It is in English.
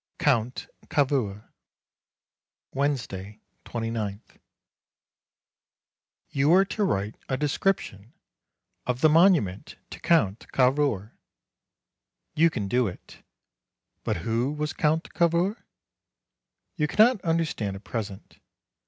COUNT CAVOUR Wednesday, 29th. You are to write a description of the monument to Count Cavour. You can do it. But who was Count Cavour? You cannot understand at present.